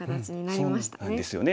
そうなんですよね。